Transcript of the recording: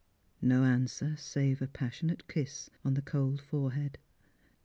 No answer, save a passionate kiss on the cold forehead.